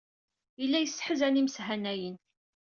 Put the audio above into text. Yella yesseḥzan imeshanayen.